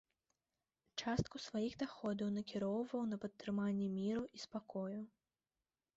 Частку сваіх даходаў накіроўваў на падтрыманне міру і спакою.